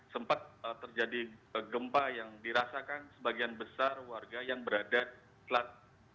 sempat terjadi gempa yang dirasakan sebagian besar warga yang berada di plat